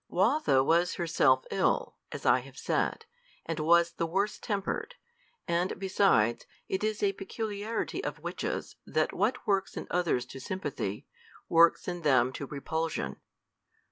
Watho was herself ill, as I have said, and was the worse tempered; and, besides, it is a peculiarity of witches that what works in others to sympathy, works in them to repulsion.